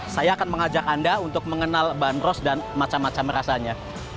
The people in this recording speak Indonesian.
saya akan mengajak anda untuk mengenal bandros dan macam macam rasanya